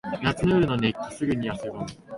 夏の夜の熱気。すぐに汗ばむ。